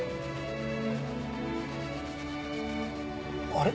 あれ？